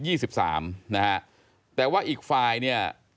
นะฮะแต่ว่าอีกฝ่ายเนี่ย